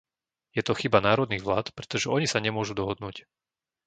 Je to chyba národných vlád, pretože oni sa nemôžu dohodnúť.